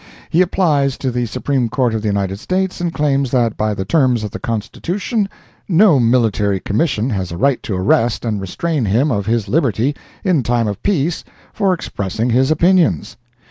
He applies to the Supreme Court of the United States, and claims that by the terms of the Constitution no Military Commission has a right to arrest and restrain him of his liberty in time of peace for expressing his opinions.